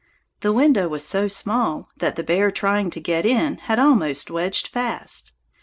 The window was so small that the bear in trying to get in had almost wedged fast.